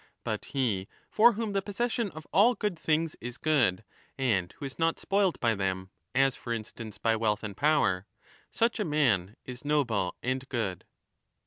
But he for whom the possession of all good things is good and who is not spoilt by them, as, for instance, by wealth and power, such a man is noble and good.